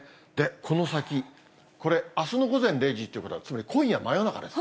この先、これ、あすの午前０時ということは、つまり今夜真夜中です。